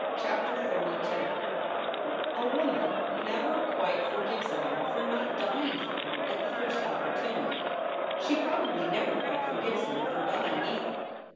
CHAPTER XLII A WOMAN never quite forgives a man for not dying for her at the first opportunity. She probably never quite forgives him for dying, either.